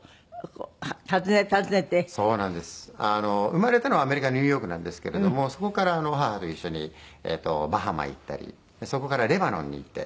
生まれたのはアメリカのニューヨークなんですけれどもそこから母と一緒にバハマ行ったりそこからレバノンに行って。